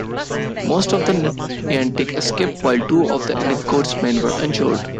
Most of the Niantic escaped, while two of Endecott's men were injured.